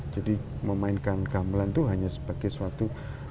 jadi memainkan gamelan itu hanya sebagai suatu